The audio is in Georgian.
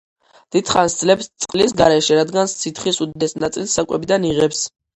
დიდხანს ძლებს წყლის გარეშე, რადგან სითხის უდიდეს ნაწილს საკვებიდან იღებს.